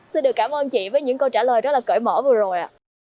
xin được cảm ơn chị với những câu trả lời rất là cởi mở vừa rồi ạ